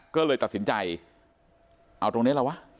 ก็เลยตัดสินใจเอาตรงนี้แล้ววะ